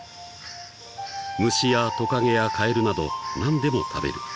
［虫やトカゲやカエルなど何でも食べる］